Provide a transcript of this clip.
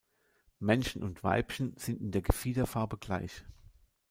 Männchen und Weibchen sind in der Gefiederfarbe gleich.